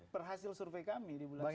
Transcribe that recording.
perhasil survei kami di bulan juli